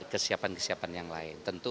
kesiapan kesiapan yang lain tentu